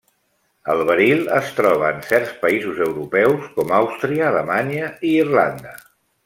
El beril es troba en certs països europeus com Àustria, Alemanya i Irlanda.